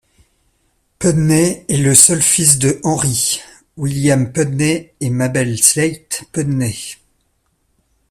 Pudney est le seul fils de Henry William Pudney et Mabel Sleigh Pudney.